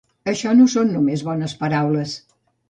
Així no són només bones paraules.